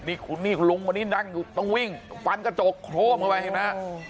นี่คุณลุงวันนี้นั่งอยู่ต้องวิ่งฟันกระจกโครบเอาไว้นะ